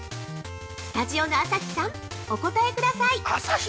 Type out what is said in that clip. スタジオの朝日さん、お答えください！